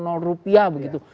soal dp rupiah begitu